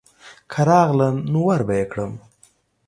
که راغله نو وربه یې کړم.